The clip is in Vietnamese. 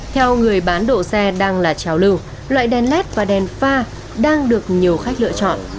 theo người bán độ xe đang là trào lưu loại đèn led và đèn pha đang được nhiều khách lựa chọn